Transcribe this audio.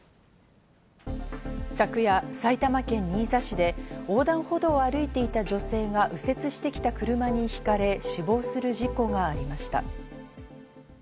昨夜、埼玉県新座市で横断歩道を歩いていた女性が右折してきた車にひかれ死亡する事故がありました。